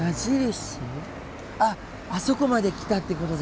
ああそこまで来たってことだ。